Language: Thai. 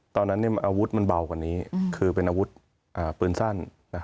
ตอนนั้นอาวุธมันเบากว่านี้คือเป็นอาวุธปืนสั้น